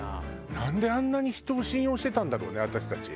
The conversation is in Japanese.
なんであんなに人を信用してたんだろうね私たち。